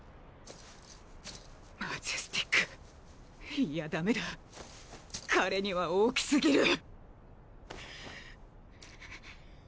マジェスティックいやダメだ彼には大きすぎる